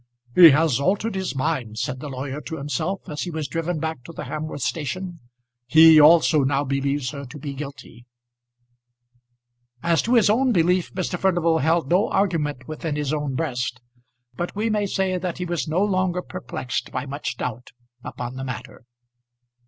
"He has altered his mind," said the lawyer to himself as he was driven back to the Hamworth station. "He also now believes her to be guilty." As to his own belief, Mr. Furnival held no argument within his own breast, but we may say that he was no longer perplexed by much doubt upon the matter.